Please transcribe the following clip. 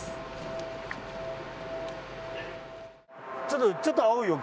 ちょっとちょっと青いよ